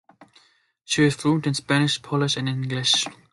She is fluent in Spanish, Polish and English.